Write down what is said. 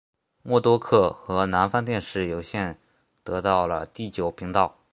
默多克和南方电视有线得到了第九频道。